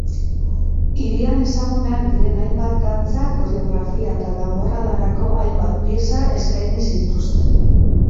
Hirian ezagunak diren hainbat dantza, koreografia eta danborradarako hainbat pieza eskaini zituzten.